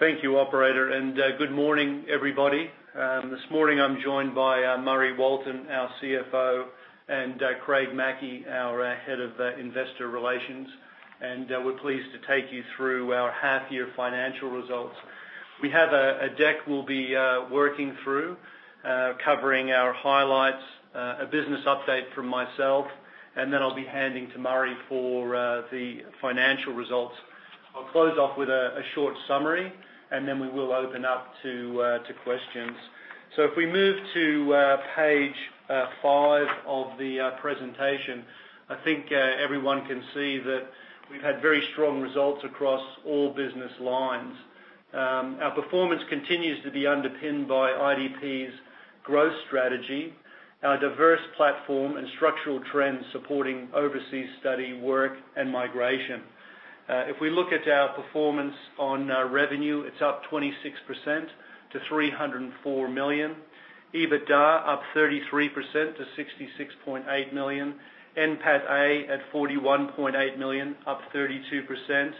Thank you operator, and good morning, everybody. This morning I'm joined by Murray Walton, our CFO, and Craig Mackey, our Head of Investor Relations. We're pleased to take you through our half year financial results. We have a deck we'll be working through, covering our highlights, a business update from myself, and then I'll be handing to Murray for the financial results. I'll close off with a short summary, and then we will open up to questions. If we move to page five of the presentation, I think everyone can see that we've had very strong results across all business lines. Our performance continues to be underpinned by IDP's growth strategy, our diverse platform and structural trends supporting overseas study, work, and migration. If we look at our performance on revenue, it's up 26% to 304 million. EBITDA up 33% to 66.8 million. NPAT at 41.8 million, up 32%.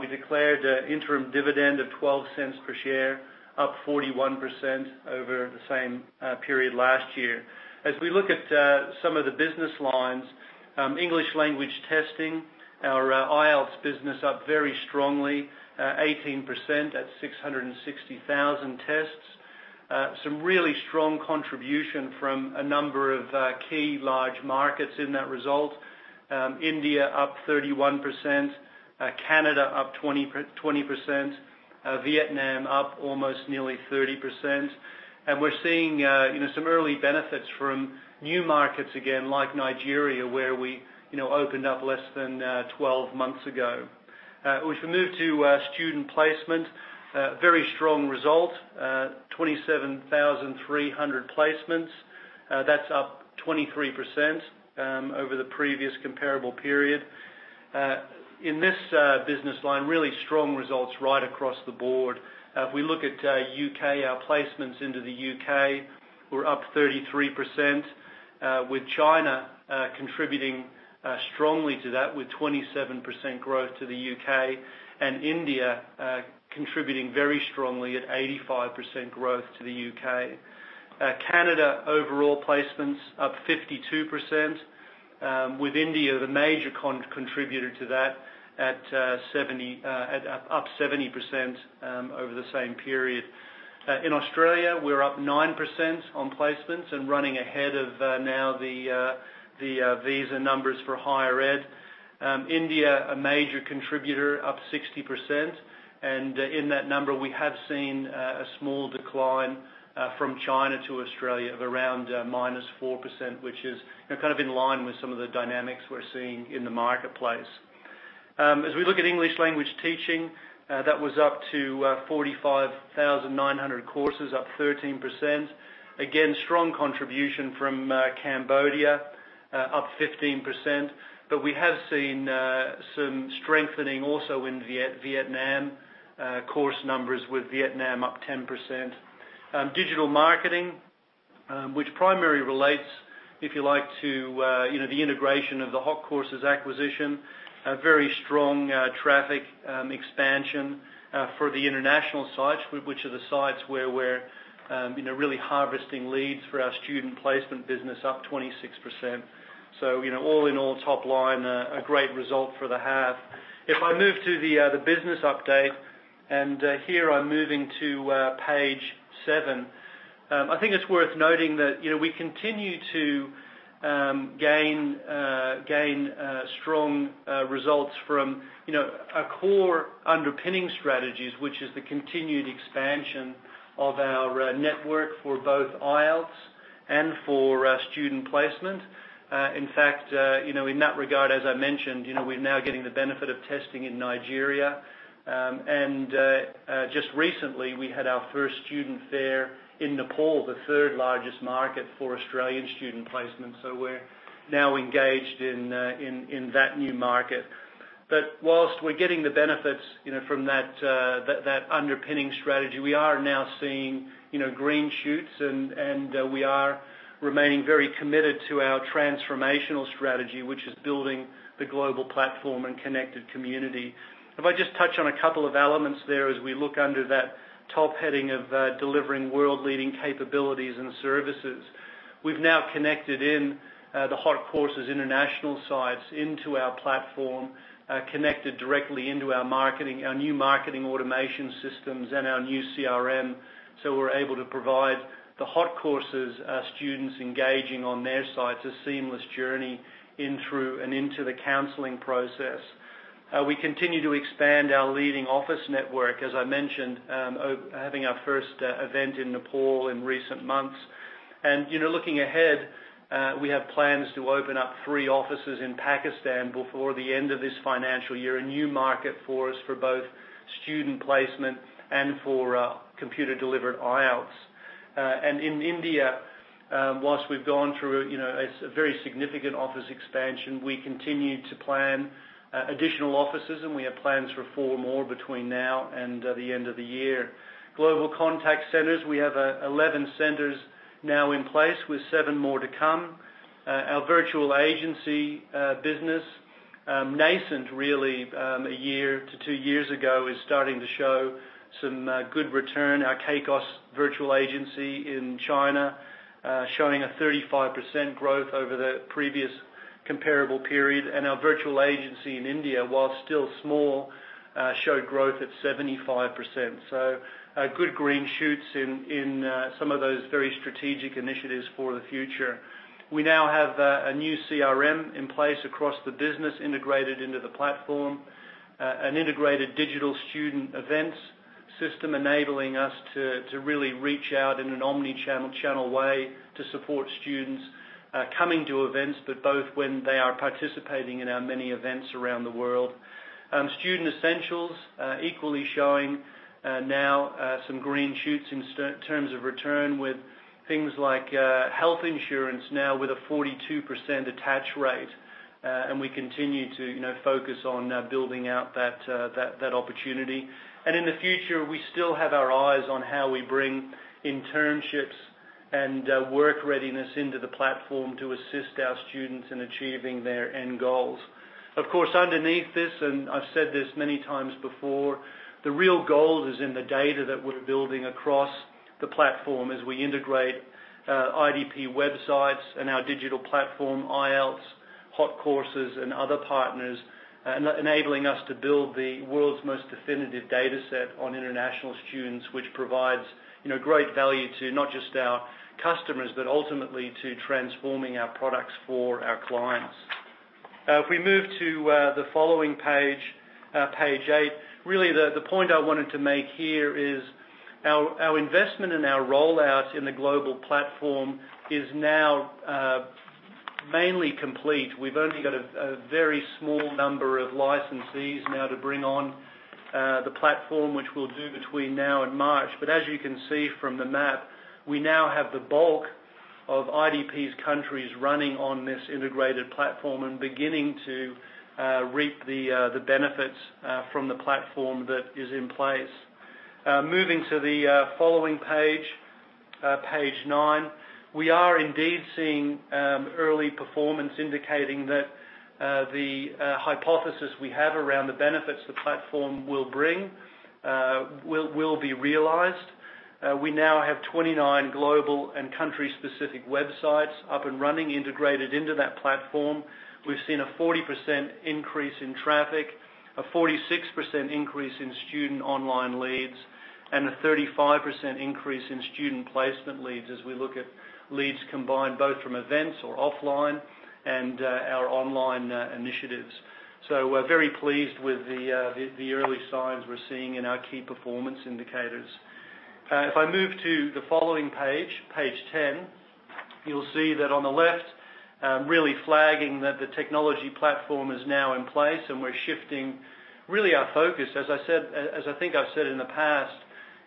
We declared interim dividend of 0.12 per share, up 41% over the same period last year. We look at some of the business lines, English language testing, our IELTS business up very strongly, 18% at 660,000 tests. Some really strong contribution from a number of key large markets in that result. India up 31%, Canada up 20%, Vietnam up almost nearly 30%. We're seeing some early benefits from new markets again, like Nigeria, where we opened up less than 12 months ago. If we move to student placement, very strong result, 27,300 placements. That's up 23% over the previous comparable period. In this business line, really strong results right across the board. If we look at U.K., our placements into the U.K. were up 33%, with China contributing strongly to that with 27% growth to the U.K., and India contributing very strongly at 85% growth to the U.K. Canada overall placements up 52%, with India the major contributor to that at up 70% over the same period. In Australia, we're up 9% on placements and running ahead of now the visa numbers for higher ed. India, a major contributor, up 60%. In that number, we have seen a small decline from China to Australia of around -4%, which is kind of in line with some of the dynamics we're seeing in the marketplace. We look at English language teaching, that was up to 45,900 courses, up 13%. Again, strong contribution from Cambodia, up 15%. We have seen some strengthening also in Vietnam course numbers with Vietnam up 10%. Digital marketing, which primarily relates, if you like, to the integration of the Hotcourses acquisition, a very strong traffic expansion for the international sites, which are the sites where we're really harvesting leads for our student placement business, up 26%. All in all, top line, a great result for the half. If I move to the business update, and here I'm moving to page seven. I think it's worth noting that we continue to gain strong results from our core underpinning strategies, which is the continued expansion of our network for both IELTS and for student placement. In fact, in that regard, as I mentioned, we're now getting the benefit of testing in Nigeria. Just recently, we had our first student fair in Nepal, the third largest market for Australian student placement. We're now engaged in that new market. Whilst we're getting the benefits from that underpinning strategy, we are now seeing green shoots, and we are remaining very committed to our transformational strategy, which is building the global platform and connected community. If I just touch on a couple of elements there as we look under that top heading of delivering world-leading capabilities and services. We've now connected in the Hotcourses international sites into our platform, connected directly into our new marketing automation systems and our new CRM. We're able to provide the Hotcourses students engaging on their sites a seamless journey in through and into the counseling process. We continue to expand our leading office network, as I mentioned, having our first event in Nepal in recent months. Looking ahead, we have plans to open up three offices in Pakistan before the end of this financial year, a new market for us for both student placement and for computer-delivered IELTS. In India, whilst we've gone through a very significant office expansion, we continue to plan additional offices, and we have plans for four more between now and the end of the year. Global contact centers, we have 11 centers now in place with seven more to come. Our virtual agency business nascent really a year to two years ago is starting to show some good return. Our CACOS virtual agency in China showing a 35% growth over the previous comparable period, and our virtual agency in India, while still small, showed growth at 75%. Good green shoots in some of those very strategic initiatives for the future. We now have a new CRM in place across the business integrated into the platform, an integrated digital student events system enabling us to really reach out in an omnichannel way to support students coming to events, but both when they are participating in our many events around the world. Student Essentials equally showing now some green shoots in terms of return with things like health insurance now with a 42% attach rate, and we continue to focus on building out that opportunity. In the future, we still have our eyes on how we bring internships and work readiness into the platform to assist our students in achieving their end goals. Of course, underneath this, and I've said this many times before, the real gold is in the data that we're building across the platform as we integrate IDP websites and our digital platform, IELTS, Hotcourses, and other partners, enabling us to build the world's most definitive data set on international students, which provides great value to not just our customers, but ultimately to transforming our products for our clients. If we move to the following page eight. Really the point I wanted to make here is our investment and our rollout in the global platform is now mainly complete. We've only got a very small number of licensees now to bring on the platform, which we'll do between now and March. As you can see from the map, we now have the bulk of IDP's countries running on this integrated platform and beginning to reap the benefits from the platform that is in place. Moving to the following page nine. We are indeed seeing early performance indicating that the hypothesis we have around the benefits the platform will bring will be realized. We now have 29 global and country-specific websites up and running integrated into that platform. We've seen a 40% increase in traffic, a 46% increase in student online leads, and a 35% increase in student placement leads as we look at leads combined both from events or offline and our online initiatives. We're very pleased with the early signs we're seeing in our key performance indicators. If I move to the following page 10. You'll see that on the left, really flagging that the technology platform is now in place. We're shifting really our focus. As I think I've said in the past,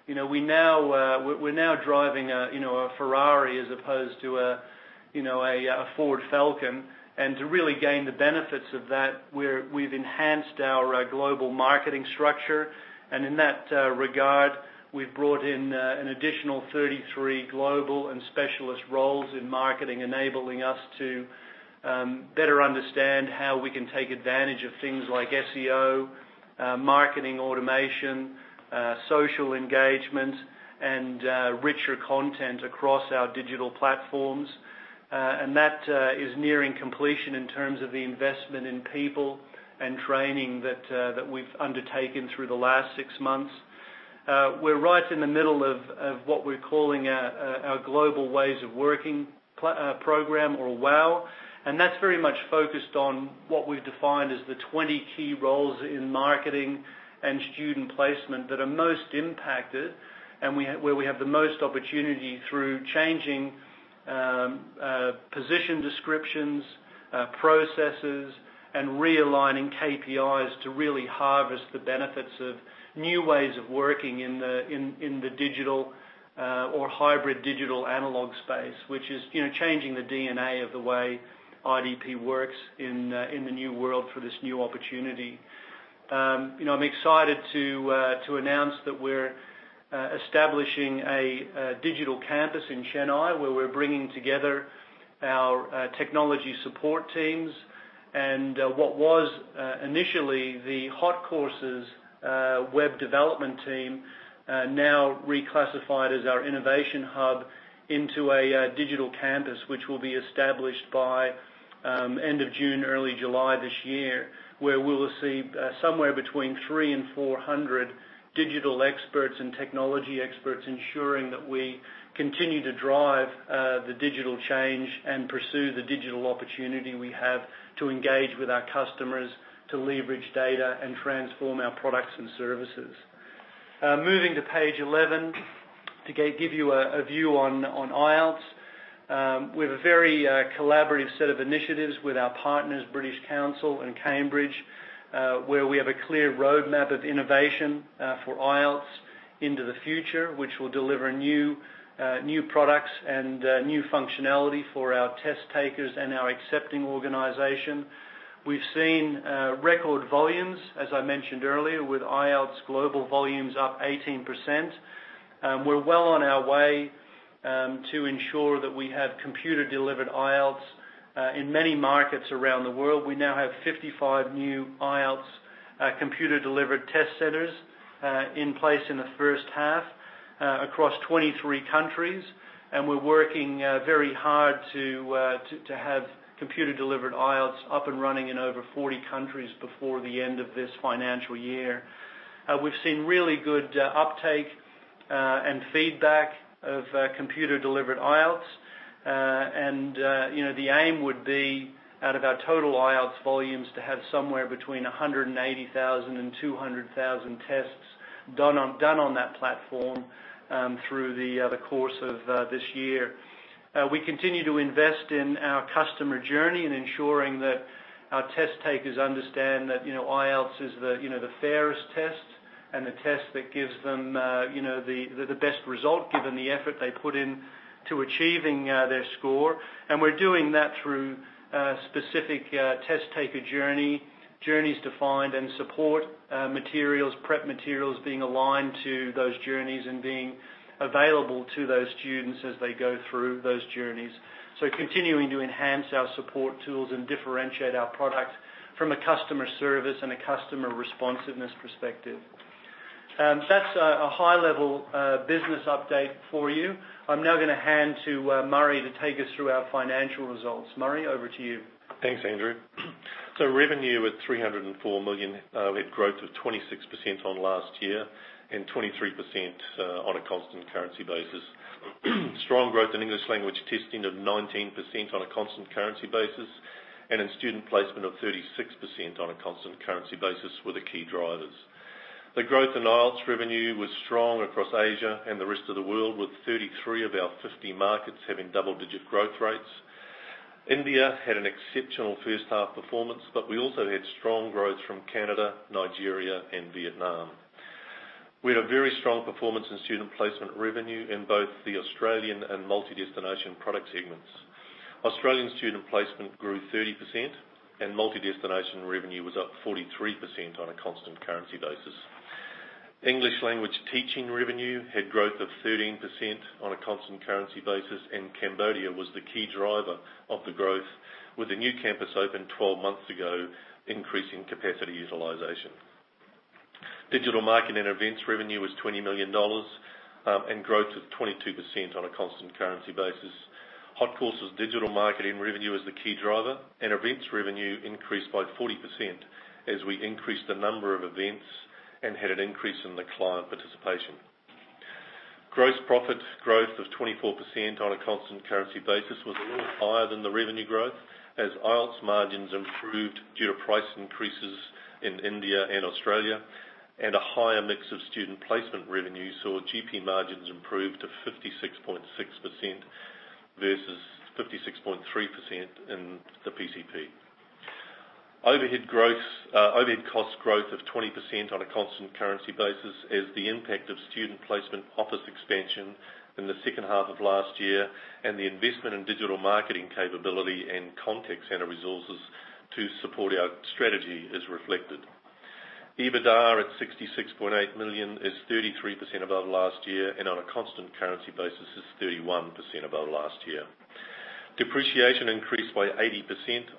we're now driving a Ferrari as opposed to a Ford Falcon. To really gain the benefits of that, we've enhanced our global marketing structure. In that regard, we've brought in an additional 33 global and specialist roles in marketing, enabling us to better understand how we can take advantage of things like SEO, marketing automation, social engagement, and richer content across our digital platforms. That is nearing completion in terms of the investment in people and training that we've undertaken through the last 6 months. We're right in the middle of what we're calling our Global Ways of Working program or WOW, that's very much focused on what we've defined as the 20 key roles in marketing and student placement that are most impacted and where we have the most opportunity through changing position descriptions, processes, and realigning KPIs to really harvest the benefits of new ways of working in the digital or hybrid digital analog space, which is changing the DNA of the way IDP works in the new world for this new opportunity. I'm excited to announce that we're establishing a digital campus in Chennai, where we're bringing together our technology support teams. What was initially the Hotcourses web development team now reclassified as our innovation hub into a digital campus, which will be established by end of June, early July this year. Where we will see somewhere between 300 and 400 digital experts and technology experts ensuring that we continue to drive the digital change and pursue the digital opportunity we have to engage with our customers to leverage data and transform our products and services. Moving to page 11 to give you a view on IELTS. We have a very collaborative set of initiatives with our partners, British Council and Cambridge, where we have a clear roadmap of innovation for IELTS into the future, which will deliver new products and new functionality for our test takers and our accepting organization. We've seen record volumes, as I mentioned earlier, with IELTS global volumes up 18%. We're well on our way to ensure that we have computer-delivered IELTS in many markets around the world. We now have 55 new IELTS computer-delivered test centers in place in the first half across 23 countries, we're working very hard to have computer-delivered IELTS up and running in over 40 countries before the end of this financial year. We've seen really good uptake and feedback of computer-delivered IELTS. The aim would be, out of our total IELTS volumes, to have somewhere between 180,000 and 200,000 tests done on that platform through the course of this year. We continue to invest in our customer journey and ensuring that our test takers understand that IELTS is the fairest test and the test that gives them the best result, given the effort they put in to achieving their score. And we're doing that through specific test taker journeys defined and support materials, prep materials being aligned to those journeys and being available to those students as they go through those journeys. So continuing to enhance our support tools and differentiate our product from a customer service and a customer responsiveness perspective. That's a high-level business update for you. I'm now going to hand to Murray to take us through our financial results. Murray, over to you. Thanks, Andrew. So revenue at 304 million, with growth of 26% on last year and 23% on a constant currency basis. Strong growth in English language testing of 19% on a constant currency basis and in student placement of 36% on a constant currency basis were the key drivers. The growth in IELTS revenue was strong across Asia and the rest of the world, with 33 of our 50 markets having double-digit growth rates. India had an exceptional first-half performance, but we also had strong growth from Canada, Nigeria, and Vietnam. We had a very strong performance in student placement revenue in both the Australian and multi-destination product segments. Australian student placement grew 30%, and multi-destination revenue was up 43% on a constant currency basis. English language teaching revenue had growth of 13% on a constant currency basis, Cambodia was the key driver of the growth with a new campus opened 12 months ago, increasing capacity utilization. Digital marketing and events revenue was 20 million dollars and growth of 22% on a constant currency basis. Hotcourses digital marketing revenue was the key driver and events revenue increased by 40% as we increased the number of events and had an increase in the client participation. Gross profit growth of 24% on a constant currency basis was a little higher than the revenue growth as IELTS margins improved due to price increases in India and Australia and a higher mix of student placement revenue saw GP margins improve to 56.6% versus 56.3% in the PCP. Overhead cost growth of 20% on a constant currency basis as the impact of student placement office expansion in the second half of last year and the investment in digital marketing capability and contact center resources to support our strategy is reflected. EBITDA at 66.8 million is 33% above last year and on a constant currency basis is 31% above last year. Depreciation increased by 80%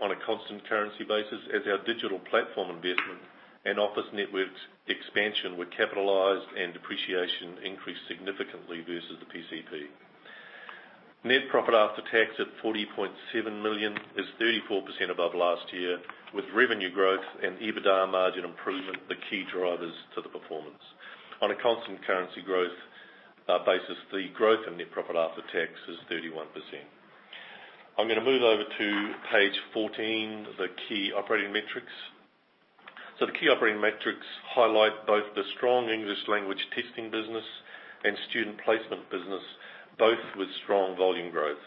on a constant currency basis as our digital platform investment and office networks expansion were capitalized and depreciation increased significantly versus the PCP. Net profit after tax at 40.7 million is 34% above last year, with revenue growth and EBITDA margin improvement the key drivers to the performance. On a constant currency growth basis, the growth in net profit after tax is 31%. I'm going to move over to page 14, the key operating metrics. The key operating metrics highlight both the strong English language testing business and student placement business, both with strong volume growth.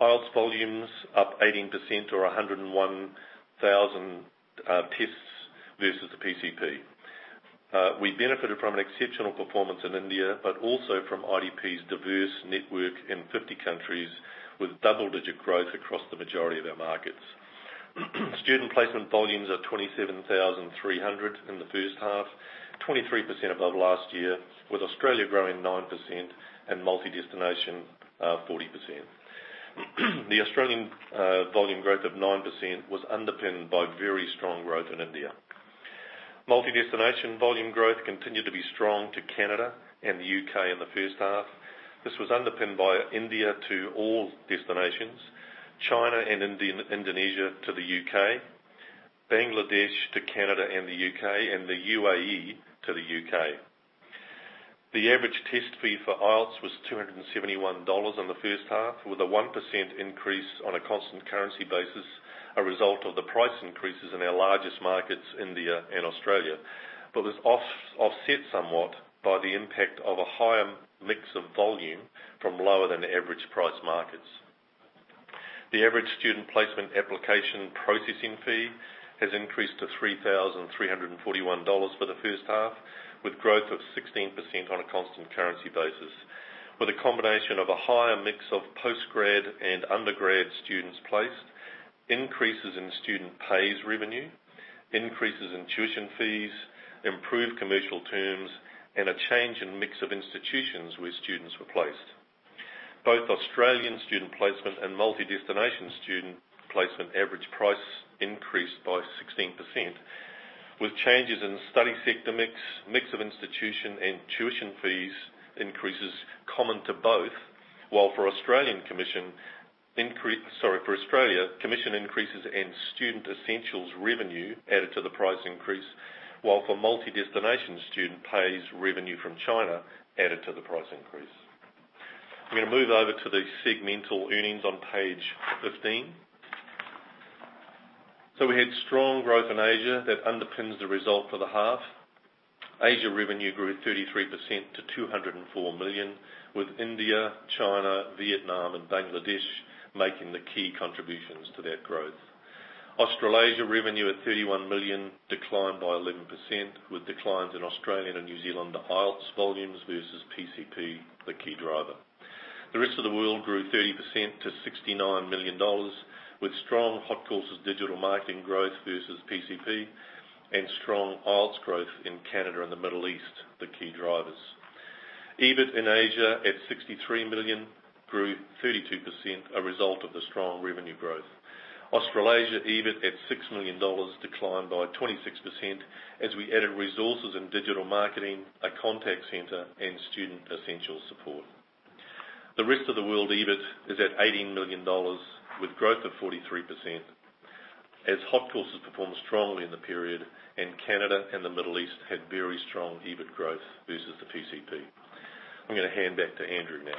IELTS volumes up 18% to 101,000 tests versus the PCP. We benefited from an exceptional performance in India, but also from IDP's diverse network in 50 countries with double-digit growth across the majority of our markets. Student placement volumes are 27,300 in the first half, 23% above last year, with Australia growing 9% and multi-destination 40%. The Australian volume growth of 9% was underpinned by very strong growth in India. Multi-destination volume growth continued to be strong to Canada and the U.K. in the first half. This was underpinned by India to all destinations, China and Indonesia to the U.K., Bangladesh to Canada and the U.K., and the UAE to the U.K. The average test fee for IELTS was 271 dollars in the first half, with a 1% increase on a constant currency basis, a result of the price increases in our largest markets, India and Australia. Was offset somewhat by the impact of a higher mix of volume from lower than average price markets. The average student placement application processing fee has increased to 3,341 dollars for the first half, with growth of 16% on a constant currency basis. With a combination of a higher mix of post-grad and undergrad students placed, increases in Student Essentials revenue, increases in tuition fees, improved commercial terms, and a change in mix of institutions where students were placed. Both Australian student placement and multi-destination student placement average price increased by 16%, with changes in study sector mix of institution, and tuition fees increases common to both. While for Australia, commission increases and Student Essentials revenue added to the price increase, while for multi-destination Student Essentials revenue from China, added to the price increase. I'm going to move over to the segmental earnings on page 15. We had strong growth in Asia that underpins the result for the half. Asia revenue grew 33% to 204 million, with India, China, Vietnam, and Bangladesh making the key contributions to that growth. Australasia revenue at 31 million declined by 11%, with declines in Australia and New Zealand IELTS volumes versus PCP the key driver. The rest of the world grew 30% to 69 million dollars with strong Hotcourses digital marketing growth versus PCP and strong IELTS growth in Canada and the Middle East, the key drivers. EBIT in Asia at 63 million grew 32%, a result of the strong revenue growth. Australasia EBIT at 6 million dollars declined by 26% as we added resources in digital marketing, a contact center, and Student Essentials support. The rest of the world EBIT is at 18 million dollars with growth of 43% as Hotcourses performed strongly in the period and Canada and the Middle East had very strong EBIT growth versus the PCP. I'm going to hand back to Andrew now.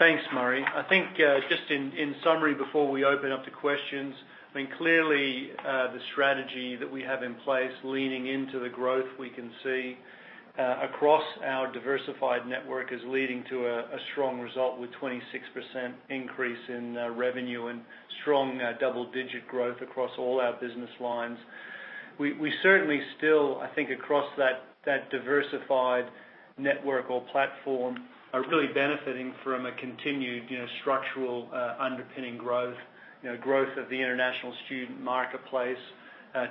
Thanks, Murray. I think just in summary before we open up to questions, clearly, the strategy that we have in place leaning into the growth we can see across our diversified network is leading to a strong result with 26% increase in revenue and strong double-digit growth across all our business lines. We certainly still, I think, across that diversified network or platform, are really benefiting from a continued structural underpinning growth. Growth of the international student marketplace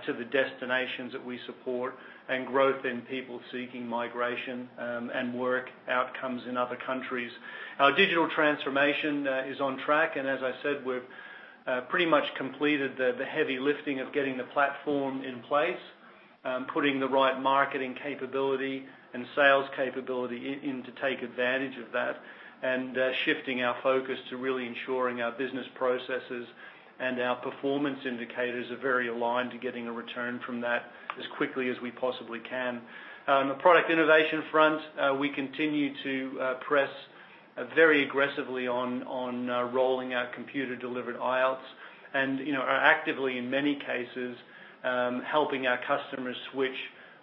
to the destinations that we support, and growth in people seeking migration and work outcomes in other countries. Our digital transformation is on track, and as I said, we've pretty much completed the heavy lifting of getting the platform in place, putting the right marketing capability and sales capability in to take advantage of that. Shifting our focus to really ensuring our business processes and our performance indicators are very aligned to getting a return from that as quickly as we possibly can. On the product innovation front, we continue to press very aggressively on rolling out computer-delivered IELTS. Are actively, in many cases, helping our customers switch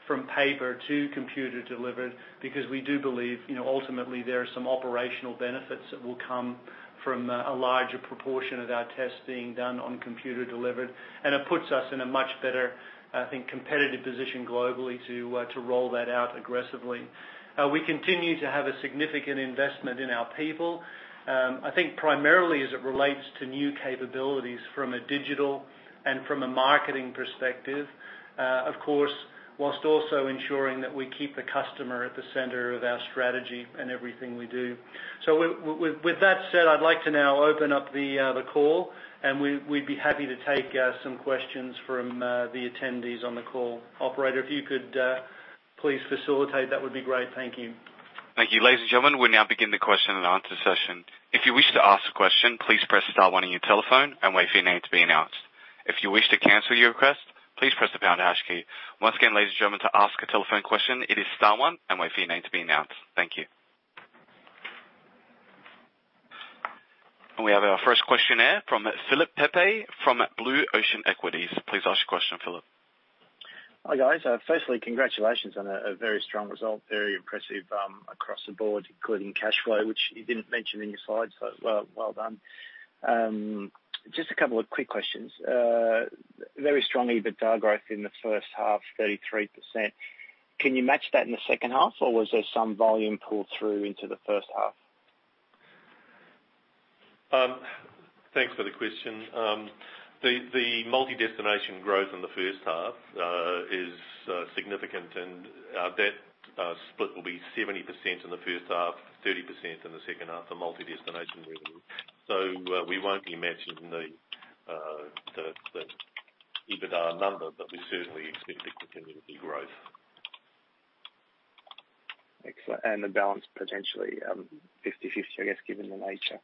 from paper to computer-delivered, because we do believe ultimately there are some operational benefits that will come from a larger proportion of our tests being done on computer-delivered, and it puts us in a much better, I think, competitive position globally to roll that out aggressively. We continue to have a significant investment in our people. I think primarily as it relates to new capabilities from a digital and from a marketing perspective, of course, whilst also ensuring that we keep the customer at the center of our strategy and everything we do. With that said, I'd like to now open up the call, we'd be happy to take some questions from the attendees on the call. Operator, if you could please facilitate, that would be great. Thank you. Thank you. Ladies and gentlemen, we now begin the question and answer session. If you wish to ask a question, please press star one on your telephone and wait for your name to be announced. If you wish to cancel your request, please press the pound hash key. Once again, ladies and gentlemen, to ask a telephone question, it is star one and wait for your name to be announced. Thank you. We have our first questioner from Philip Pepe from Blue Ocean Equities. Please ask your question, Philip. Hi, guys. Firstly, congratulations on a very strong result. Very impressive across the board, including cash flow, which you didn't mention in your slides, so well done. Just a couple of quick questions. Very strong EBITDA growth in the first half, 33%. Can you match that in the second half, or was there some volume pull through into the first half? Thanks for the question. The multi-destination growth in the first half is significant, and that split will be 70% in the first half, 30% in the second half for multi-destination revenue. We won't be mentioning the EBITDA number, but we certainly expect it to continue to be growth. Excellent. The balance potentially 50/50, I guess, given the nature.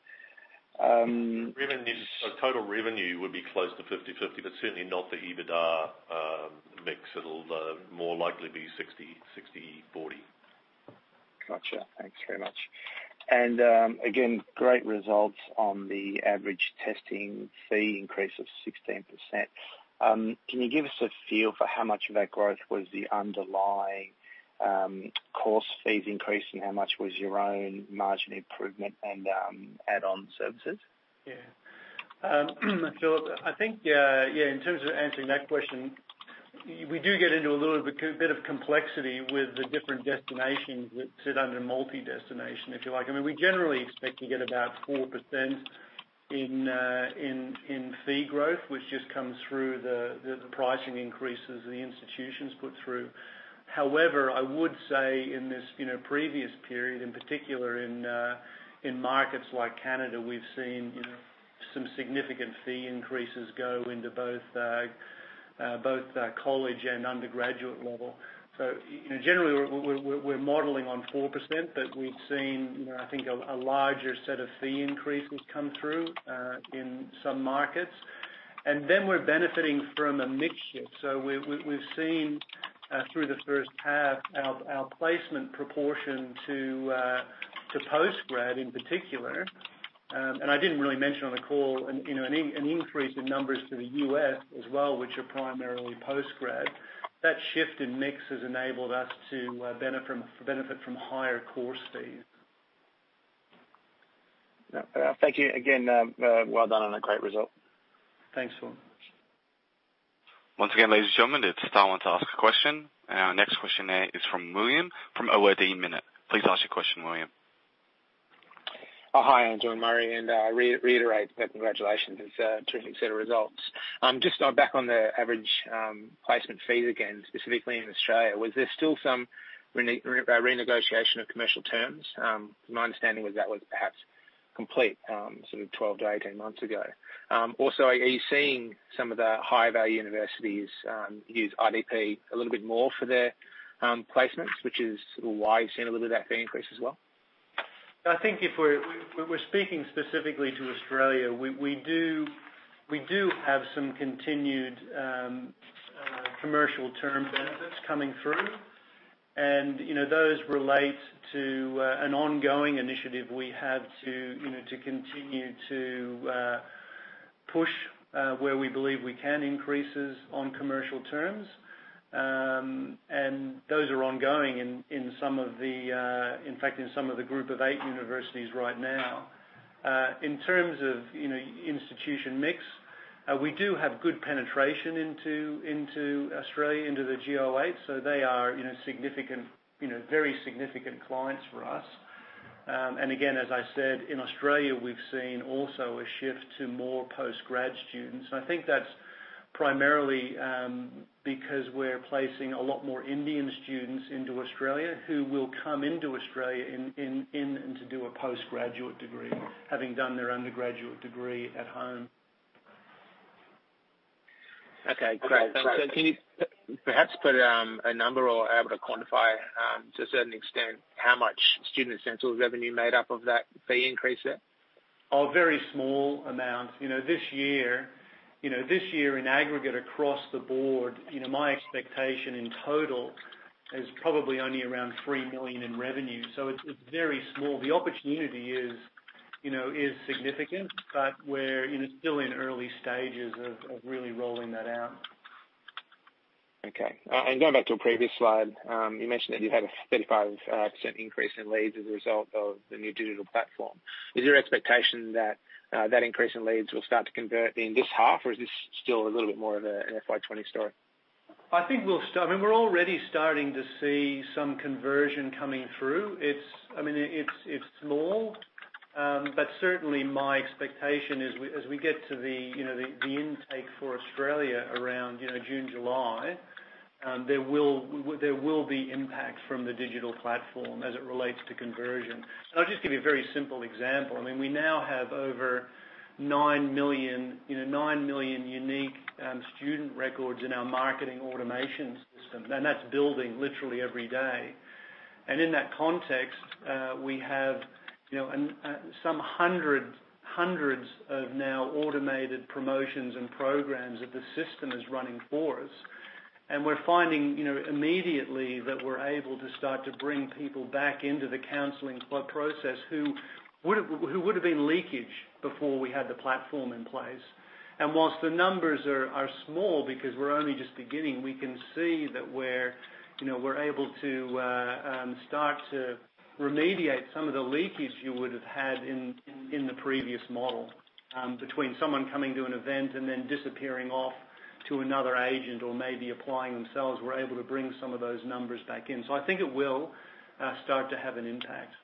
Total revenue would be close to 50/50, but certainly not the EBITDA mix. It'll more likely be 60/40. Got you. Thanks very much. Again, great results on the average testing fee increase of 16%. Can you give us a feel for how much of that growth was the underlying course fees increase and how much was your own margin improvement and add-on services? Yeah. Philip, I think in terms of answering that question. We do get into a little bit of complexity with the different destinations which sit under multi-destination, if you like. We generally expect to get about 4% in fee growth, which just comes through the pricing increases the institutions put through. However, I would say in this previous period, in particular in markets like Canada, we've seen some significant fee increases go into both college and undergraduate level. Generally, we're modeling on 4%, but we've seen I think a larger set of fee increases come through in some markets. Then we're benefiting from a mix shift. We've seen through the first half our placement proportion to post-grad in particular, and I didn't really mention on the call, an increase in numbers to the U.S. as well, which are primarily post-grad. That shift in mix has enabled us to benefit from higher course fees. Thank you. Again, well done on a great result. Thanks, Phil. Once again, ladies and gentlemen, it's star one to ask a question. Our next questioner is from William from Ord Minnett. Please ask your question, William. Hi, Andrew and Murray. Reiterate that congratulations. It's a terrific set of results. Just back on the average placement fees again, specifically in Australia, was there still some renegotiation of commercial terms? My understanding was that was perhaps complete sort of 12-18 months ago. Also, are you seeing some of the high-value universities use IDP a little bit more for their placements, which is why you're seeing a little bit of that fee increase as well? I think if we're speaking specifically to Australia, we do have some continued commercial term benefits coming through. Those relate to an ongoing initiative we have to continue to push where we believe we can increases on commercial terms. Those are ongoing in fact, in some of the group of eight universities right now. In terms of institution mix, we do have good penetration into Australia, into the GO8, so they are very significant clients for us. Again, as I said, in Australia, we've seen also a shift to more post-grad students. I think that's primarily because we're placing a lot more Indian students into Australia who will come into Australia in to do a post-graduate degree, having done their undergraduate degree at home. Okay. Great. Can you perhaps put a number or able to quantify to a certain extent how much Student Essentials revenue made up of that fee increase there? A very small amount. This year in aggregate across the board, my expectation, in total, is probably only around 3 million in revenue. It's very small. The opportunity is significant, but we're still in early stages of really rolling that out. Okay. Going back to a previous slide, you mentioned that you had a 35% increase in leads as a result of the new digital platform. Is your expectation that increase in leads will start to convert in this half, or is this still a little bit more of an FY 2020 story? I think we're already starting to see some conversion coming through. It's small, but certainly, my expectation as we get to the intake for Australia around June, July, there will be impact from the digital platform as it relates to conversion. I'll just give you a very simple example. We now have over 9 million unique student records in our marketing automation system, and that's building literally every day. In that context, we have some hundreds of now automated promotions and programs that the system is running for us. We're finding immediately that we're able to start to bring people back into the counseling club process who would've been leakage before we had the platform in place. Whilst the numbers are small because we're only just beginning, we can see that we're able to start to remediate some of the leakage you would've had in the previous model between someone coming to an event and then disappearing off to another agent or maybe applying themselves. We're able to bring some of those numbers back in. I think it will start to have an impact.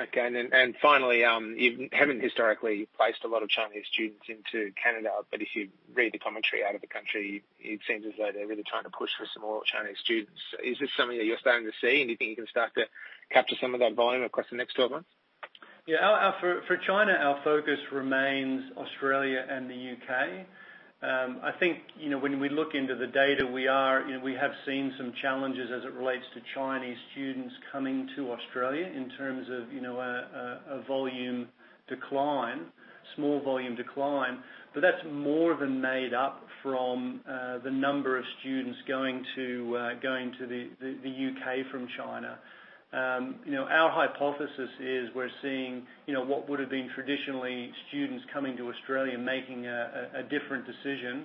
Okay. Finally, you haven't historically placed a lot of Chinese students into Canada, if you read the commentary out of the country, it seems as though they're really trying to push for some more Chinese students. Is this something that you're starting to see, and you think you can start to capture some of that volume across the next 12 months? For China, our focus remains Australia and the U.K. When we look into the data, we have seen some challenges as it relates to Chinese students coming to Australia in terms of a volume decline, small volume decline, that's more than made up from the number of students going to the U.K. from China. Our hypothesis is we're seeing what would have been traditionally students coming to Australia making a different decision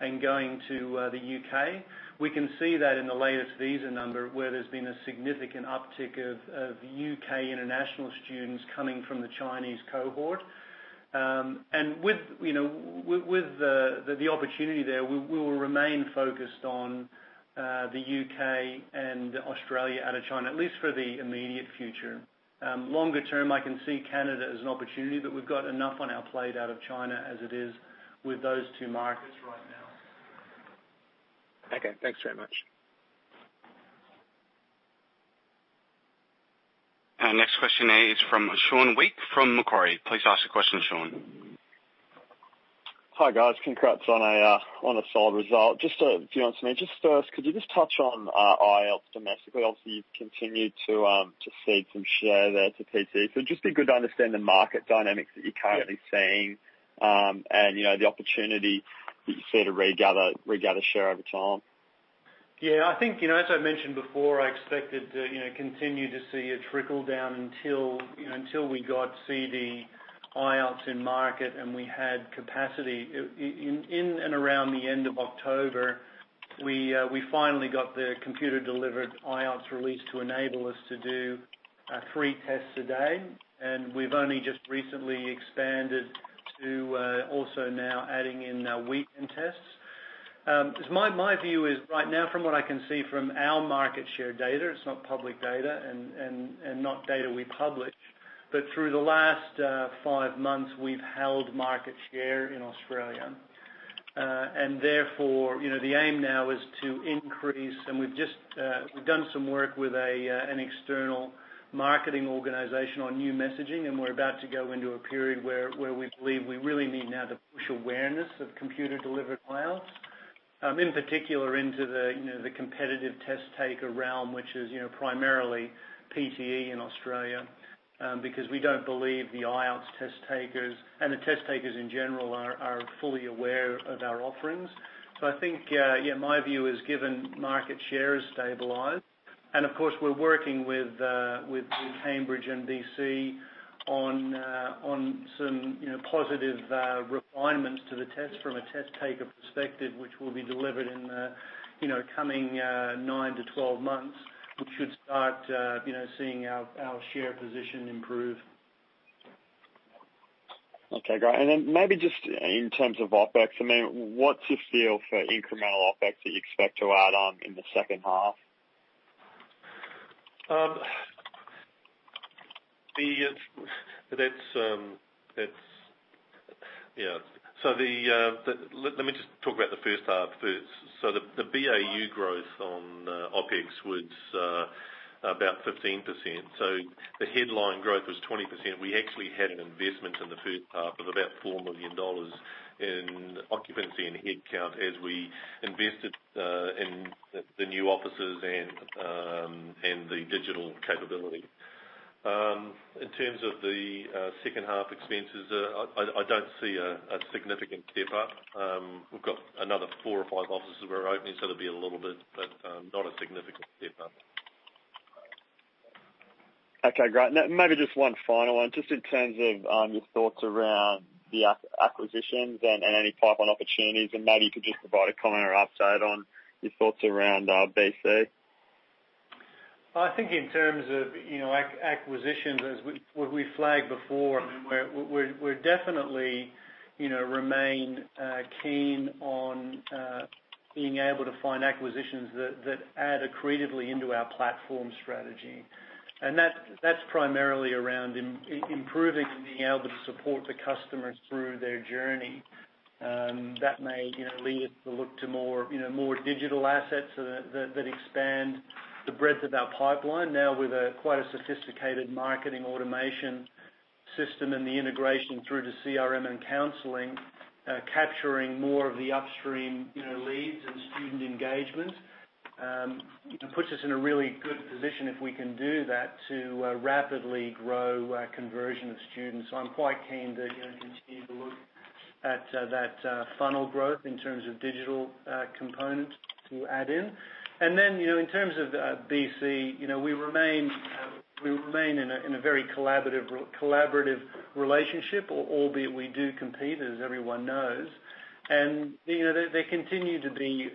and going to the U.K. We can see that in the latest visa number, where there's been a significant uptick of U.K. international students coming from the Chinese cohort. With the opportunity there, we will remain focused on the U.K. and Australia out of China, at least for the immediate future. Longer term, I can see Canada as an opportunity, but we've got enough on our plate out of China as it is with those two markets right now. Okay. Thanks very much. Our next question is from Sean West from Macquarie. Please ask the question, Sean. Hi, guys. Congrats on a solid result. Just if you don't mind, just first, could you just touch on IELTS domestically? Obviously, you've continued to cede some share there to PTE. It'd just be good to understand the market dynamics that you're currently seeing, and the opportunity that you see to regather share over time. Yeah. I think, as I mentioned before, I expected to continue to see a trickle down until we got CD IELTS in market and we had capacity. In and around the end of October, we finally got the computer-delivered IELTS release to enable us to do 3 tests a day. We've only just recently expanded to also now adding in weekend tests. My view is right now, from what I can see from our market share data, it's not public data and not data we publish. Through the last 5 months, we've held market share in Australia. Therefore, the aim now is to increase, and we've done some work with an external marketing organization on new messaging, and we're about to go into a period where we believe we really need now to push awareness of computer-delivered IELTS. In particular, into the competitive test-taker realm, which is primarily PTE in Australia. We don't believe the IELTS test takers and the test takers in general are fully aware of our offerings. I think, yeah, my view is, given market share has stabilized, and of course, we're working with both Cambridge and BC on some positive refinements to the test from a test-taker perspective, which will be delivered in the coming nine to 12 months. We should start seeing our share position improve. Okay, great. Then maybe just in terms of OpEx, what's your feel for incremental OpEx that you expect to add on in the second half? Let me just talk about the first half first. The BAU growth on OpEx was about 15%. The headline growth was 20%. We actually had an investment in the first half of about 4 million dollars in occupancy and headcount as we invested in the new offices and the digital capability. In terms of the second-half expenses, I don't see a significant step-up. We've got another 4 or 5 offices we're opening, so it'll be a little bit, but not a significant step-up. Okay, great. Maybe just one final one, just in terms of your thoughts around the acquisitions and any pipeline opportunities, and maybe you could just provide a comment or update on your thoughts around BC. I think in terms of acquisitions, as what we flagged before, we definitely remain keen on being able to find acquisitions that add accretively into our platform strategy. That's primarily around improving and being able to support the customers through their journey. That may lead us to look to more digital assets that expand the breadth of our pipeline now with quite a sophisticated marketing automation system and the integration through to CRM and counseling, capturing more of the upstream leads and student engagement. It puts us in a really good position if we can do that to rapidly grow our conversion of students. I'm quite keen to continue to look at that funnel growth in terms of digital component to add in. Then, in terms of BC, we remain in a very collaborative relationship, albeit we do compete, as everyone knows. There continue to be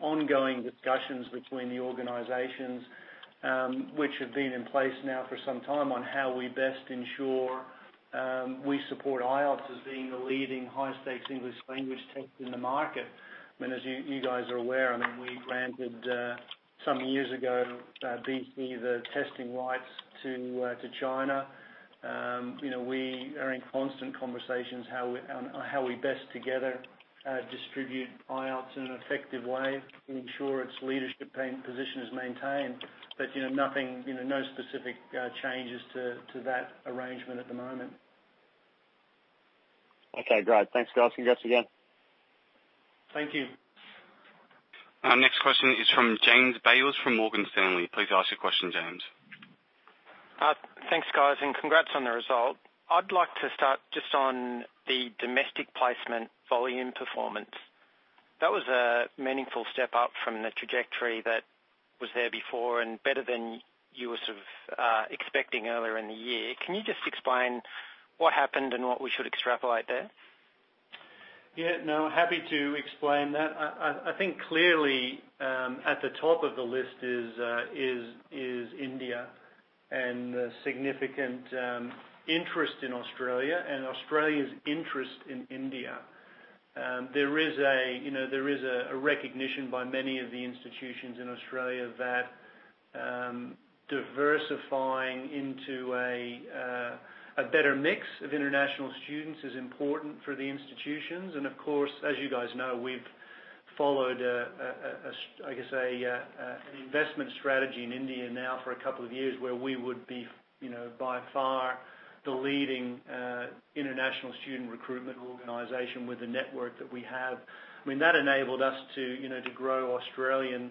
ongoing discussions between the organizations, which have been in place now for some time, on how we best ensure we support IELTS as being the leading high-stakes English language test in the market. I mean, as you guys are aware, we granted some years ago, BC, the testing rights to China. We are in constant conversations on how we best together distribute IELTS in an effective way to ensure its leadership position is maintained. No specific changes to that arrangement at the moment. Okay, great. Thanks, guys. Congrats again. Thank you. Our next question is from James Bailes from Morgan Stanley. Please ask your question, James. Thanks, guys. Congrats on the result. I'd like to start just on the domestic placement volume performance. That was a meaningful step up from the trajectory that was there before and better than you were sort of expecting earlier in the year. Can you just explain what happened and what we should extrapolate there? Yeah, no, happy to explain that. I think clearly at the top of the list is India, the significant interest in Australia and Australia's interest in India. There is a recognition by many of the institutions in Australia that diversifying into a better mix of international students is important for the institutions. Of course, as you guys know, we've followed, I guess, an investment strategy in India now for a couple of years, where we would be, by far, the leading international student recruitment organization with the network that we have. That enabled us to grow Australian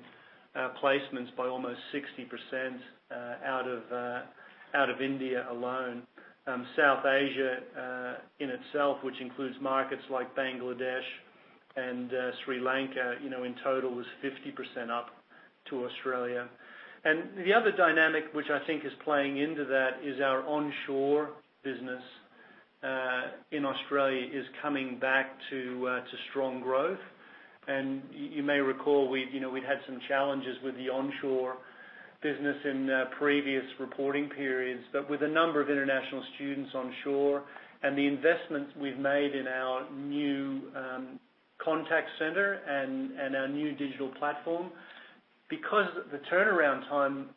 placements by almost 60% out of India alone. South Asia in itself, which includes markets like Bangladesh and Sri Lanka, in total is 50% up to Australia. The other dynamic, which I think is playing into that, is our onshore business in Australia is coming back to strong growth. You may recall we'd had some challenges with the onshore business in previous reporting periods. With a number of international students onshore and the investments we've made in our new contact center and our new digital platform, because the turnaround time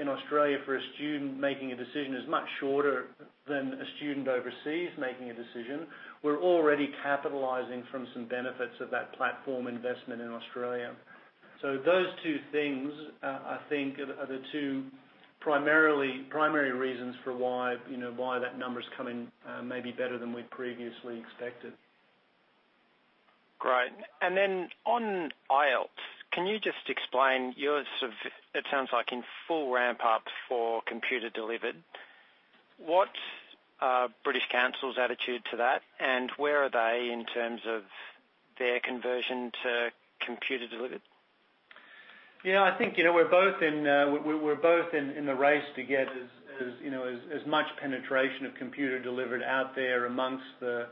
in Australia for a student making a decision is much shorter than a student overseas making a decision, we're already capitalizing from some benefits of that platform investment in Australia. Those two things, I think, are the two primary reasons for why that number's come in maybe better than we'd previously expected. Great. Then on IELTS, can you just explain, you're sort of it sounds like in full ramp-up for computer-delivered. What's British Council's attitude to that, and where are they in terms of their conversion to computer-delivered? Yeah, I think we're both in the race to get as much penetration of computer-delivered out there amongst the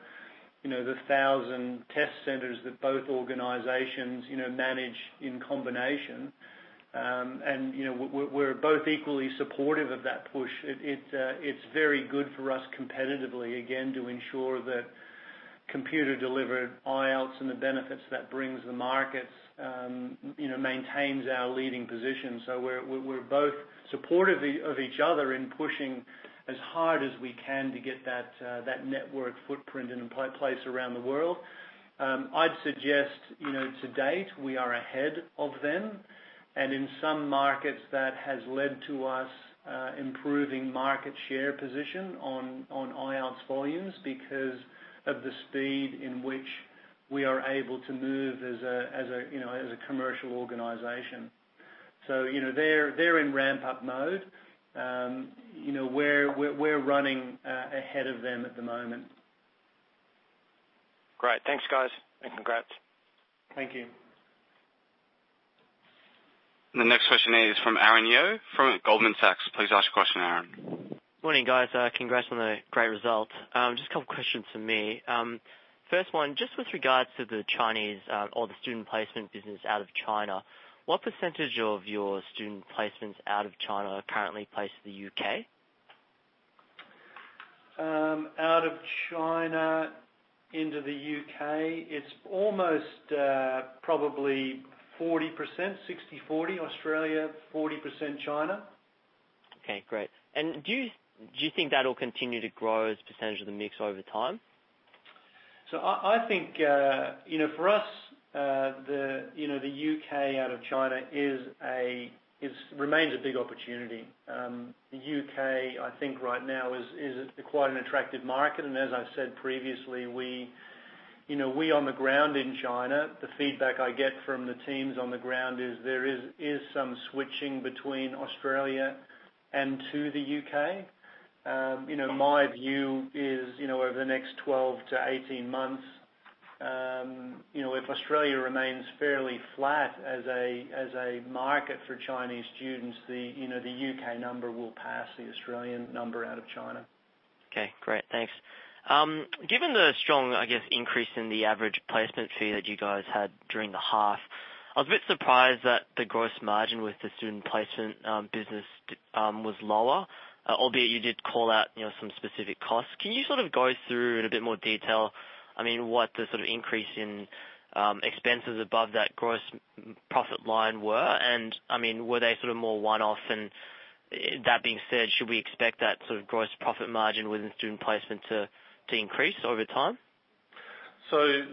1,000 test centers that both organizations manage in combination. We're both equally supportive of that push. It's very good for us competitively, again, to ensure that computer-delivered IELTS and the benefits that brings the markets maintains our leading position. We're both supportive of each other in pushing as hard as we can to get that network footprint in place around the world. I'd suggest to date, we are ahead of them, and in some markets, that has led to us improving market share position on IELTS volumes because of the speed in which we are able to move as a commercial organization. They're in ramp-up mode. We're running ahead of them at the moment. Great. Thanks, guys, congrats. Thank you. The next question is from Aaron Yeoh from Goldman Sachs. Please ask your question, Aaron. Morning, guys. Congrats on the great results. Just a couple of questions from me. First one, just with regards to the Chinese or the student placement business out of China, what percentage of your student placements out of China are currently placed in the U.K.? Out of China into the U.K., it's almost probably 40%. 60/40 Australia, 40% China. Okay, great. Do you think that'll continue to grow as a percentage of the mix over time? I think, for us, the U.K. out of China remains a big opportunity. The U.K., I think right now is quite an attractive market, and as I said previously, we on the ground in China, the feedback I get from the teams on the ground is there is some switching between Australia and to the U.K. My view is over the next 12 to 18 months, if Australia remains fairly flat as a market for Chinese students, the U.K. number will pass the Australian number out of China. Okay, great. Thanks. Given the strong, I guess, increase in the average placement fee that you guys had during the half, I was a bit surprised that the gross margin with the student placement business was lower, albeit you did call out some specific costs. Can you sort of go through in a bit more detail, what the sort of increase in expenses above that gross profit line were? Were they sort of more one-off? That being said, should we expect that sort of gross profit margin within student placement to increase over time? There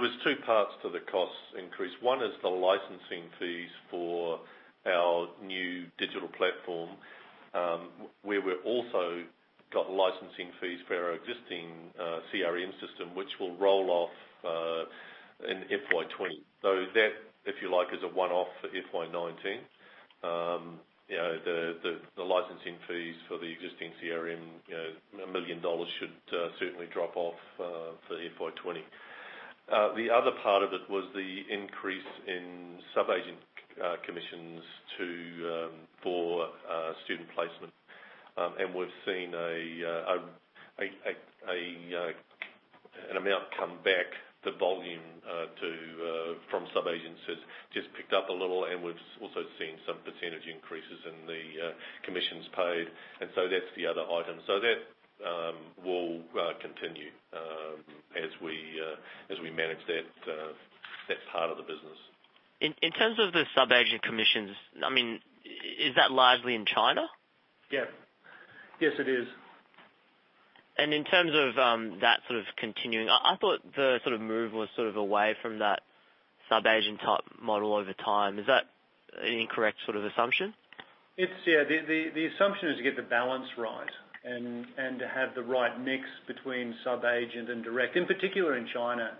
was two parts to the cost increase. One is the licensing fees for our new digital platform, where we've also got licensing fees for our existing CRM system, which will roll off in FY 2020. That, if you like, is a one-off for FY 2019. The licensing fees for the existing CRM, 1 million dollars should certainly drop off for FY 2020. The other part of it was the increase in sub-agent commissions for student placement We've seen an amount come back, the volume from sub-agents has just picked up a little, we've also seen some percentage increases in the commissions paid. That's the other item. That will continue as we manage that part of the business. In terms of the sub-agent commissions, is that largely in China? Yes. Yes, it is. In terms of that sort of continuing, I thought the sort of move was sort of away from that sub-agent type model over time. Is that an incorrect sort of assumption? Yeah. The assumption is to get the balance right and to have the right mix between sub-agent and direct, in particular in China.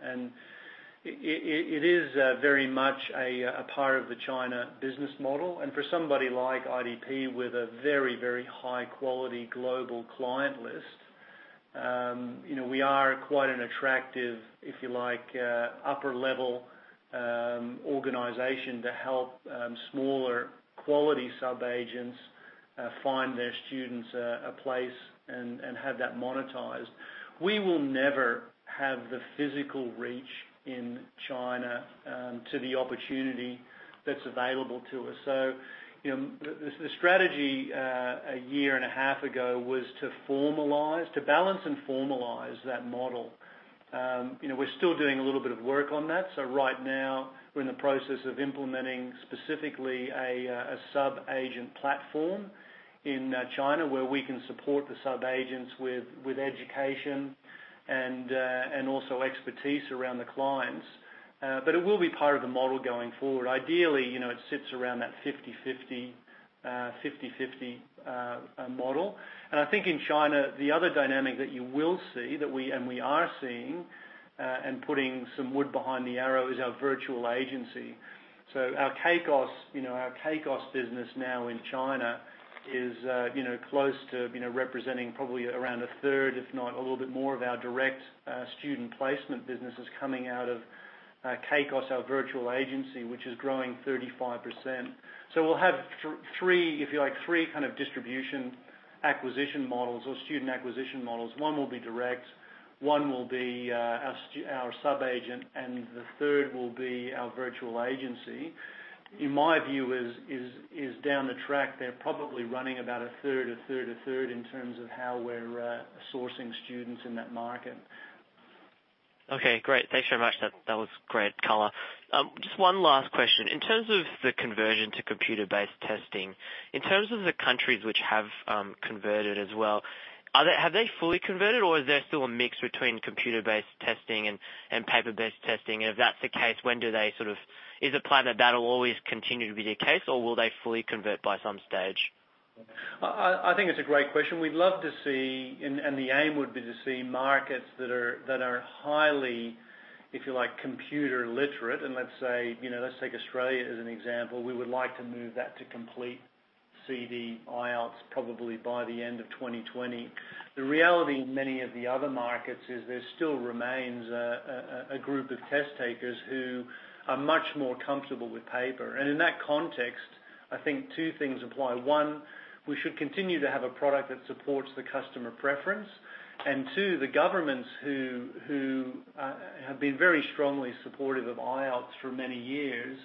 It is very much a part of the China business model. For somebody like IDP with a very high-quality global client list, we are quite an attractive, if you like, upper-level organization to help smaller quality sub-agents find their students a place and have that monetized. We will never have the physical reach in China to the opportunity that's available to us. The strategy a year and a half ago was to balance and formalize that model. We're still doing a little bit of work on that. Right now, we're in the process of implementing specifically a sub-agent platform in China where we can support the sub-agents with education and also expertise around the clients. It will be part of the model going forward. Ideally, it sits around that 50/50 model. I think in China, the other dynamic that you will see, and we are seeing, and putting some wood behind the arrow, is our virtual agency. Our CACOS business now in China is close to representing probably around a third if not a little bit more of our direct student placement business is coming out of CACOS, our virtual agency, which is growing 35%. We'll have three distribution acquisition models or student acquisition models. One will be direct, one will be our sub-agent, and the third will be our virtual agency. In my view is down the track, they're probably running about a third, a third, a third in terms of how we're sourcing students in that market. Okay, great. Thanks very much. That was great color. Just one last question. In terms of the conversion to computer-based testing, in terms of the countries which have converted as well, have they fully converted or is there still a mix between computer-based testing and paper-based testing? If that's the case, is it planned that that'll always continue to be the case or will they fully convert by some stage? I think it's a great question. We'd love to see, the aim would be to see markets that are highly, if you like, computer literate. Let's take Australia as an example. We would like to move that to complete CD IELTS probably by the end of 2020. The reality in many of the other markets is there still remains a group of test takers who are much more comfortable with paper. In that context, I think two things apply. One, we should continue to have a product that supports the customer preference. Two, the governments who have been very strongly supportive of IELTS for many years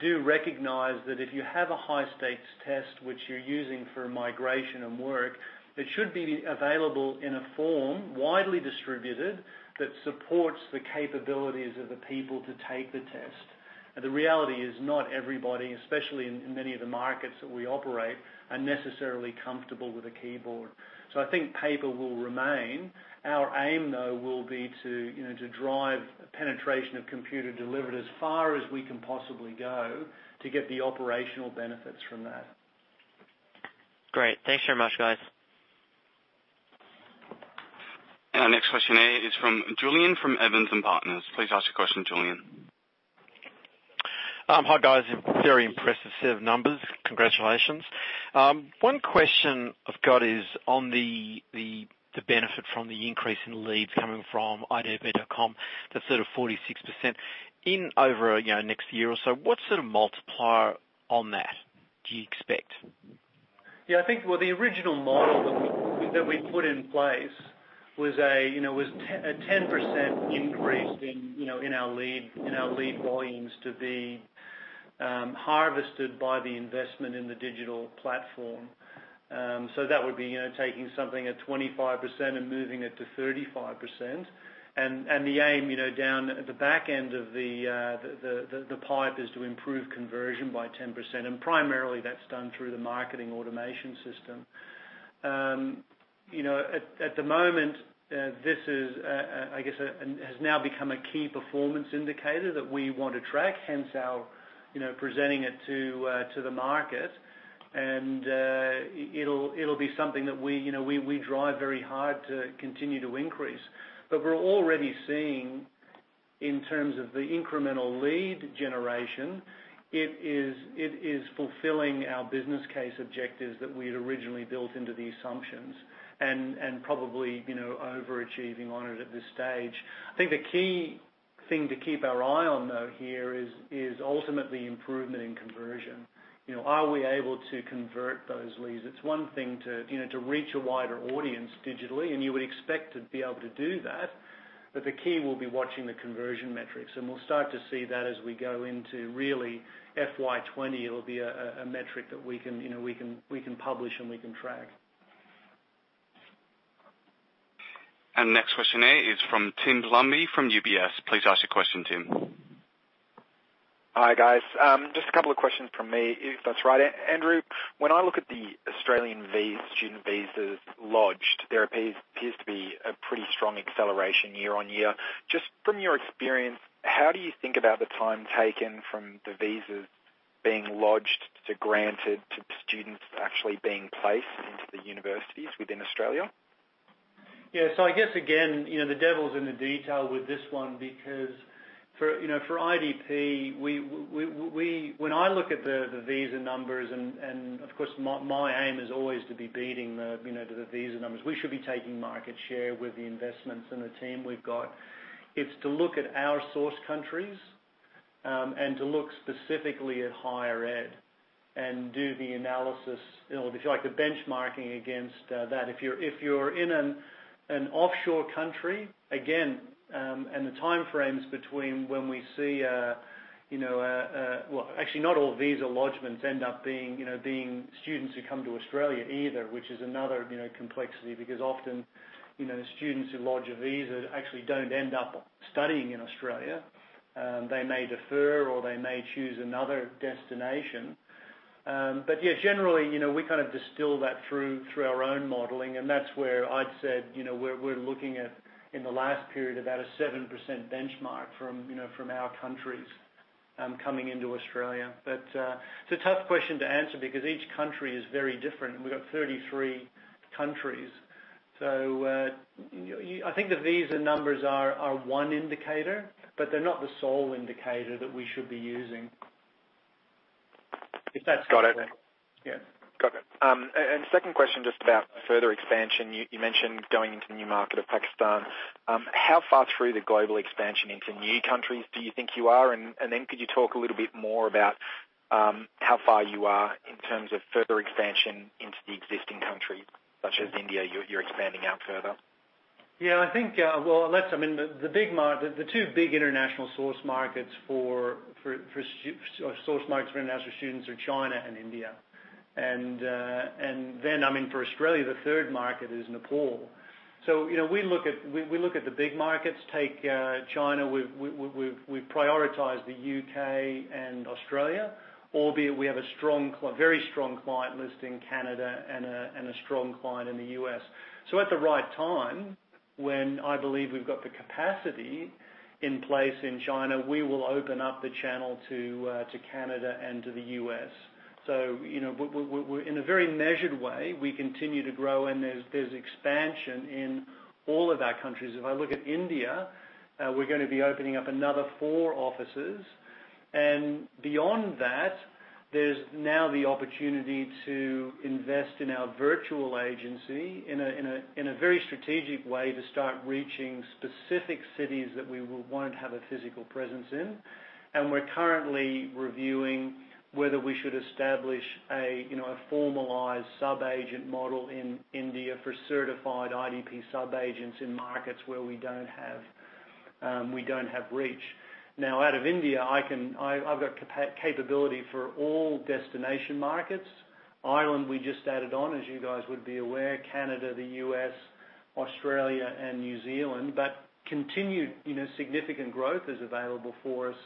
do recognize that if you have a high-stakes test which you're using for migration and work, it should be available in a form widely distributed that supports the capabilities of the people to take the test. The reality is not everybody, especially in many of the markets that we operate, are necessarily comfortable with a keyboard. I think paper will remain. Our aim, though, will be to drive penetration of computer delivered as far as we can possibly go to get the operational benefits from that. Great. Thanks very much, guys. Our next question here is from Julian from Evans and Partners. Please ask your question, Julian. Hi, guys. A very impressive set of numbers. Congratulations. One question I've got is on the benefit from the increase in leads coming from idp.com, the sort of 46%. Over a next year or so, what sort of multiplier on that do you expect? Yeah, I think the original model that we put in place was a 10% increase in our lead volumes to be harvested by the investment in the digital platform. That would be taking something at 25% and moving it to 35%. The aim down at the back end of the pipe is to improve conversion by 10%. Primarily, that's done through the marketing automation system. At the moment, this has now become a key performance indicator that we want to track, hence our presenting it to the market. It'll be something that we drive very hard to continue to increase. We're already seeing in terms of the incremental lead generation, it is fulfilling our business case objectives that we had originally built into the assumptions and probably overachieving on it at this stage. I think the key thing to keep our eye on, though, here is ultimately improvement in conversion. Are we able to convert those leads? It's one thing to reach a wider audience digitally. You would expect to be able to do that. The key will be watching the conversion metrics. We'll start to see that as we go into really FY 2020, it'll be a metric that we can publish and we can track. Next question is from Tim Plumbe from UBS. Please ask your question, Tim. Hi, guys. Just a couple of questions from me, if that's right. Andrew, when I look at the Australian student visas lodged, there appears to be a pretty strong acceleration year-on-year. Just from your experience, how do you think about the time taken from the visas being lodged, to granted, to students actually being placed into the universities within Australia? I guess, again, the devil is in the detail with this one because for IDP, when I look at the visa numbers, and of course, my aim is always to be beating the visa numbers. We should be taking market share with the investments and the team we've got. It's to look at our source countries, and to look specifically at higher ed and do the analysis. If you like the benchmarking against that. If you're in an offshore country, again, and the time frames between when we see, well, actually, not all visa lodgments end up being students who come to Australia either, which is another complexity, because often students who lodge a visa actually don't end up studying in Australia. They may defer, or they may choose another destination. Generally, we kind of distill that through our own modeling, and that's where I'd said we're looking at, in the last period, about a 7% benchmark from our countries coming into Australia. It's a tough question to answer because each country is very different, and we've got 33 countries. I think the visa numbers are one indicator, but they're not the sole indicator that we should be using. Got it. Yeah. Got it. Second question, just about further expansion. You mentioned going into the new market of Pakistan. How far through the global expansion into new countries do you think you are? Could you talk a little bit more about how far you are in terms of further expansion into the existing countries, such as India, you're expanding out further? Yeah, I think, well, the two big international source markets for international students are China and India. Then, I mean, for Australia, the third market is Nepal. We look at the big markets, take China, we've prioritized the U.K. and Australia, albeit we have a very strong client list in Canada and a strong client in the U.S. At the right time, when I believe we've got the capacity in place in China, we will open up the channel to Canada and to the U.S. In a very measured way, we continue to grow, and there's expansion in all of our countries. If I look at India, we're going to be opening up another four offices. Beyond that, there's now the opportunity to invest in our virtual agency in a very strategic way to start reaching specific cities that we won't have a physical presence in. We're currently reviewing whether we should establish a formalized sub-agent model in India for certified IDP sub-agents in markets where we don't have reach. Now, out of India, I've got capability for all destination markets. Ireland, we just added on, as you guys would be aware, Canada, the U.S., Australia, and New Zealand. Continued significant growth is available for us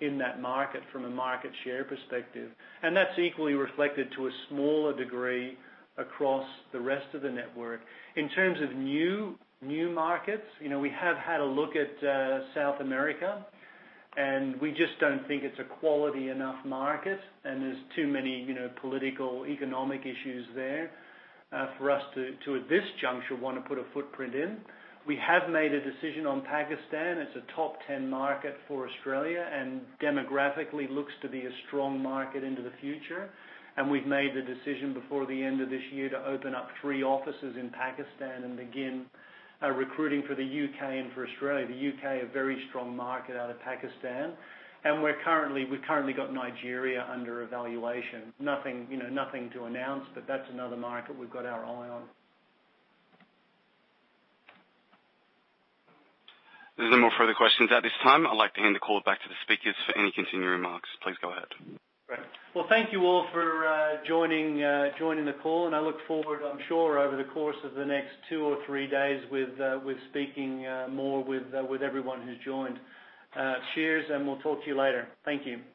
in that market from a market share perspective. That's equally reflected to a smaller degree across the rest of the network. In terms of new markets, we have had a look at South America, we just don't think it's a quality enough market, and there's too many political, economic issues there for us to, at this juncture, want to put a footprint in. We have made a decision on Pakistan. It's a top 10 market for Australia, demographically looks to be a strong market into the future. We've made the decision before the end of this year to open up three offices in Pakistan and begin recruiting for the U.K. and for Australia. The U.K., a very strong market out of Pakistan. We've currently got Nigeria under evaluation. Nothing to announce, but that's another market we've got our eye on. There's no more further questions at this time. I'd like to hand the call back to the speakers for any continuing remarks. Please go ahead. Great. Well, thank you all for joining the call, and I look forward, I'm sure, over the course of the next two or three days with speaking more with everyone who's joined. Cheers, and we'll talk to you later. Thank you.